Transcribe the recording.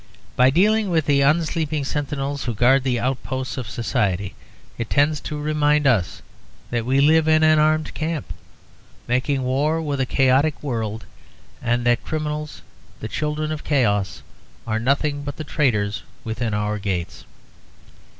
By dealing with the unsleeping sentinels who guard the outposts of society, it tends to remind us that we live in an armed camp, making war with a chaotic world, and that the criminals, the children of chaos, are nothing but the traitors within our gates.